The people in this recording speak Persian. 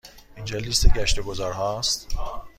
اینجا لیست گشت و گذار ها است.